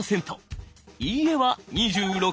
「いいえ」は２６％。